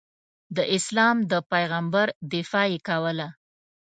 د اسلام د پیغمبر دفاع یې کوله.